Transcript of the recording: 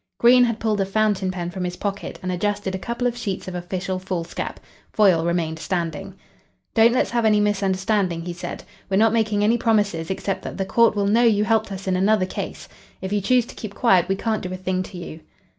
Green had pulled a fountain pen from his pocket and adjusted a couple of sheets of official foolscap. Foyle remained standing. "Don't let's have any misunderstanding," he said. "We're not making any promises except that the court will know you helped us in another case. If you choose to keep quiet we can't do a thing to you."